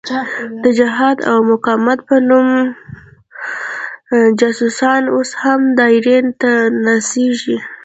د جهاد او مقاومت په نوم جاسوسان اوس هم دایرې ته نڅېږي.